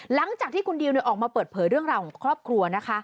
หลังจากที่คุณดิวออกมาเปิดเผยเรื่องราวของครอบครัวนะคะ